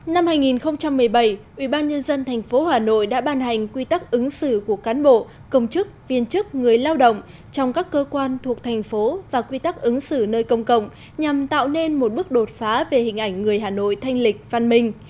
năm hai nghìn một mươi bảy ubnd tp hà nội đã ban hành quy tắc ứng xử của cán bộ công chức viên chức người lao động trong các cơ quan thuộc thành phố và quy tắc ứng xử nơi công cộng nhằm tạo nên một bước đột phá về hình ảnh người hà nội thanh lịch văn minh